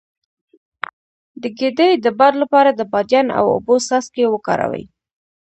د ګیډې د باد لپاره د بادیان او اوبو څاڅکي وکاروئ